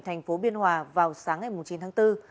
thành phố biên hòa vào sáng ngày chín tháng bốn